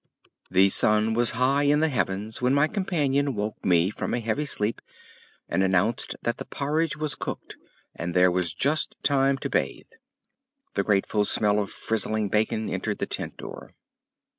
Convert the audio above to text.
IV. The sun was high in the heavens when my companion woke me from a heavy sleep and announced that the porridge was cooked and there was just time to bathe. The grateful smell of frizzling bacon entered the tent door.